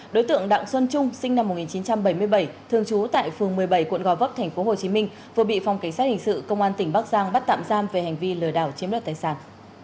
đối tượng đặng xuân trung sinh năm một nghìn chín trăm bảy mươi bảy thường trú tại phường một mươi bảy quận gò vấp tp hcm vừa bị phòng cảnh sát hình sự công an tỉnh bắc giang bắt tạm giam về hành vi lừa đảo chiếm đoạt tài sản